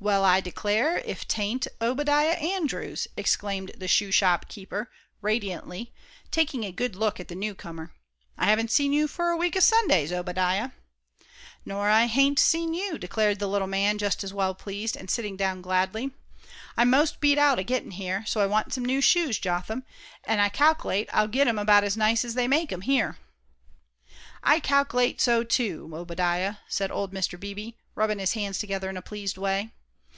"Well, I declare, if 'tain't Obadiah Andrews!" exclaimed the shoe shop keeper, radiantly, taking a good look at the newcomer. "I haven't seen you for a week o' Sundays, Obadiah." "Nor I hain't seen you," declared the little man, just as well pleased, and sitting down gladly. "I'm most beat out, a gittin' here, so I want some new shoes, Jotham, and I cal'late I'll get 'em about as nice as they make 'em here." "I cal'late so, too, Obadiah," said old Mr. Beebe, rubbing his hands together in a pleased way.